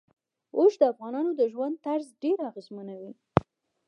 اوښ د افغانانو د ژوند طرز ډېر اغېزمنوي.